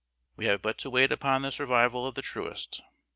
We have but to wait upon the survival of the truest.